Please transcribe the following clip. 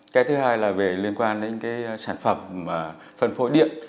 cái thứ hai là liên quan đến sản phẩm phân phối điện